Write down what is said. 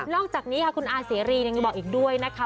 อกจากนี้ค่ะคุณอาเสรียังบอกอีกด้วยนะคะ